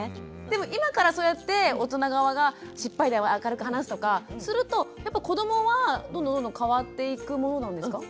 でも今からそうやって大人側が失敗談を明るく話すとかするとやっぱ子どもはどんどんどんどん変わっていくものなんですか？